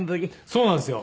そうなんですよ。